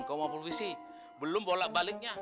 kalau mau politisi belum bolak baliknya